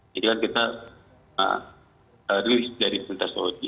jadi kan kita rilis dari sentrasologi